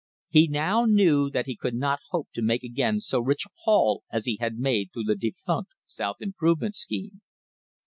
He now knew that he could not hope to make again so rich a haul as he had made through the defunct South Improvement scheme.